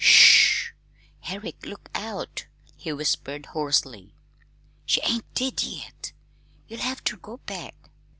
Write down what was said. "Sh h! Herrick, look out!" he whispered hoarsely. "She ain't dead yet. You'll have ter go back."